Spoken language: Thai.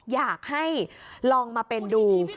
อยากให้ลองมาเป็นดู